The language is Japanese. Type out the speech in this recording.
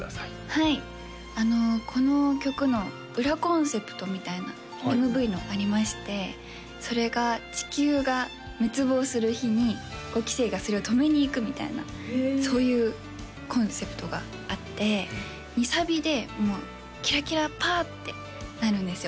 はいこの曲の裏コンセプトみたいなＭＶのありましてそれが地球が滅亡する日に５期生がそれを止めにいくみたいなそういうコンセプトがあって２サビでもうキラキラパーッてなるんですよ